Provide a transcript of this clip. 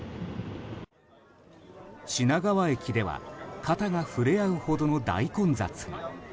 品川駅では肩が触れ合うほどの大混雑に。